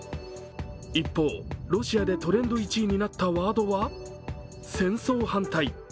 一方、ロシアでトレンド１位になったワードは戦争反対。